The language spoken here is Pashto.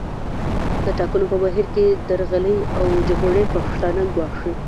د ټاکنو په بهیر کې درغلۍ او جګړې پښتانه ګواښي